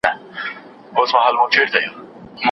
ایا کره کتنه د متن نیمګړتیا ښکاره کوي؟